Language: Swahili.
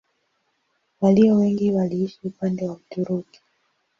Walio wengi waliishi upande wa Uturuki.